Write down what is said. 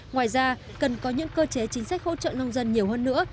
ngoài ra cần có những cơ chế chính sách hỗ trợ nông dân nhiều hơn nữa